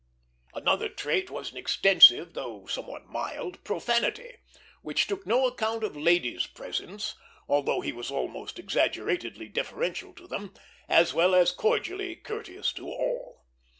Another trait was an extensive, though somewhat mild, profanity which took no account of ladies' presence, although he was almost exaggeratedly deferential to them, as well as cordially courteous to all.